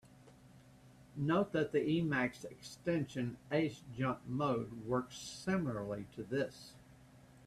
Note that the Emacs extension "Ace jump mode" works similarly to this.